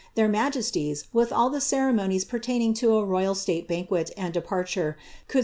Their majesties, with all the rtTrmonics pertaining to a royal state banquet and departure, could Hc.